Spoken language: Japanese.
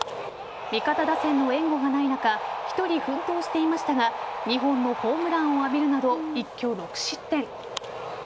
味方打線の援護がない中１人、奮闘していましたが２本のホームランを浴びるなど一挙６失点。